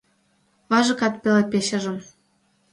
Важыкат пеле печыжым